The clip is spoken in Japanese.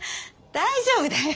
大丈夫だよ。